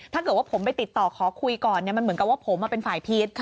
ถ้าเกิดว่าผมไปติดต่อขอคุยก่อนมันเหมือนกับว่าผมเป็นฝ่ายพีช